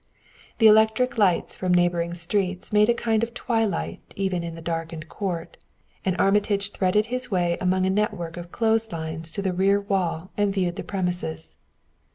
The electric lights from neighboring streets made a kind of twilight even in the darkened court, and Armitage threaded his way among a network of clothes lines to the rear wall and viewed the premises.